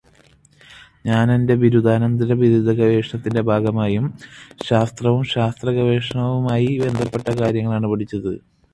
ഞാൻ എന്റെ ബിരുദാനന്തരബിരുദ ഗവേഷണത്തിന്റെ ഭാഗമായും ശാസ്ത്രവും ശാസ്ത്രഗവേഷണവുമായി ബന്ധപ്പെട്ട കാര്യങ്ങളാണ് പഠിച്ചത്.